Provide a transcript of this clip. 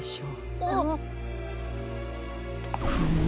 フム！